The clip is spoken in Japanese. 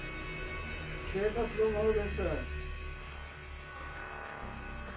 警察の者です。